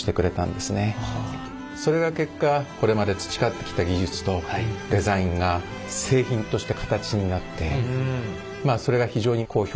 それが結果これまで培ってきた技術とデザインが製品として形になってまあそれが非常に好評な評判を呼んでですね